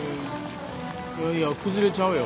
いやいや崩れちゃうよ。